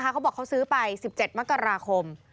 เขาบอกเขาซื้อไป๑๗มกราคม